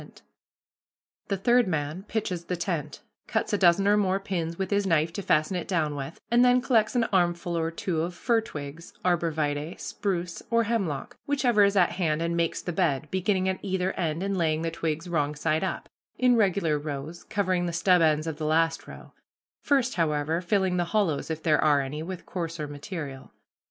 [Illustration: Making a Camp in the Streamside Woodland] The third man pitches the tent, cuts a dozen or more pins with his knife to fasten it down with, and then collects an armful or two of fir twigs, arbor vitæ, spruce, or hemlock, whichever is at hand, and makes the bed, beginning at either end, and laying the twigs wrong side up, in regular rows, covering the stub ends of the last row; first, however, filling the hollows, if there are any, with coarser material.